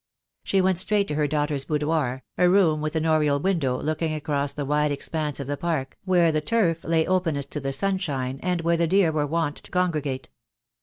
She went straight to her daughter's boudoir, a room with an oriel window looking across the wide expanse of the park, where the turf lay openest to the sunshine, and where the deer were wont to congregate.